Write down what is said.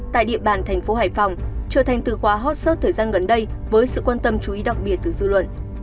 tại địa bàn thành phố hải phòng trở thành từ khóa hot search thời gian gần đây với sự quan tâm chú ý đặc biệt từ dư luận